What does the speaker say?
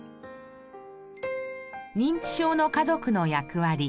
認知症の家族の役割。